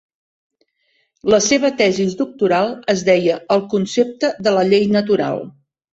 La seva tesis doctoral es deia "El concepte de la llei natural".